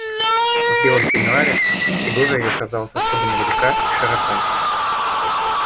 В белом пенюаре фигура ее казалась особенно велика и широка.